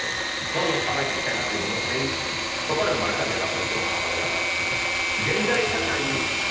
そういうのを裁いていきたいなっていう僕の正義心そっから生まれたネタといっても過言ではないですね